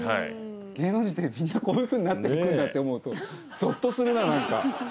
芸能人ってみんなこういうふうになっていくんだって思うとゾッとするななんか。